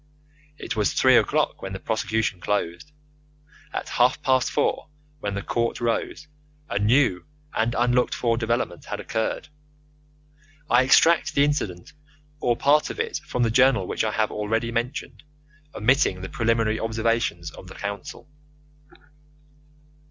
It was three o'clock when the prosecution closed. At half past four, when the court rose, a new and unlooked for development had occurred. I extract the incident, or part of it, from the journal which I have already mentioned, omitting the preliminary observations of the counsel.